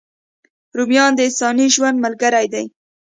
رومیان د انساني ژوند ملګري دي